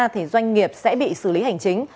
thì doanh nghiệp sẽ bị xử lý hành chính